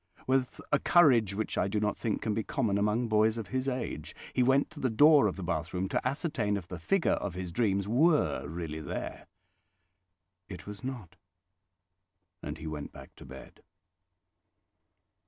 With a courage which I do not think can be common among boys of his age, he went to the door of the bathroom to ascertain if the figure of his dream were really there. It was not, and he went back to bed.